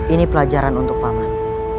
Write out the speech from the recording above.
ini pelajaran untuk paman